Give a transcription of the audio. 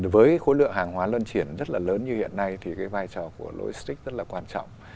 với khối lượng hàng hóa luân triển rất là lớn như hiện nay thì cái vai trò của logistics rất là quan trọng